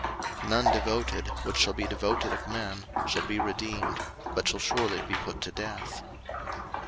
03:027:029 None devoted, which shall be devoted of men, shall be redeemed; but shall surely be put to death.